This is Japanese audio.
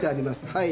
はい。